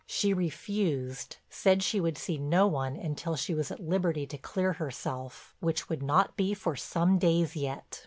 She refused, said she would see no one until she was at liberty to clear herself, which would not be for some days yet.